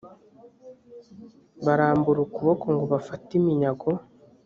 barambura ukuboko ngo bafate iminyago